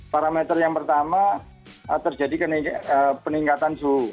parameter yang pertama terjadi peningkatan suhu